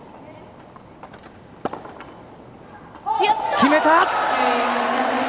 決めた！